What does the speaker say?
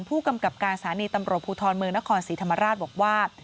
ผู้กำกับการสถานีตำรวจภูทรเมืองนครศรีธรรมราชบอกว่า